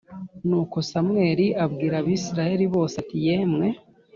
Nuko Samweli abwira Abisirayeli bose ati Yemwe